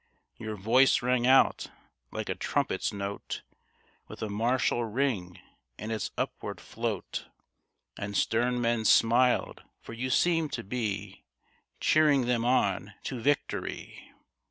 Your voice rang out like a trumpet's note, With a martial ring in its upward float. And stern men smiled, for you seemed to be Cheering them on to victory